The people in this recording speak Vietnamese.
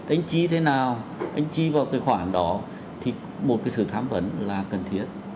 anh chi thế nào anh chi vào cái khoản đó thì một cái sự tham vấn là cần thiết